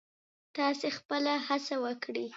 تاسې خپله هڅه وکړئ.